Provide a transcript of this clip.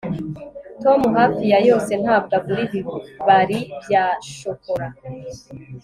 tom hafi ya yose ntabwo agura ibibari bya shokora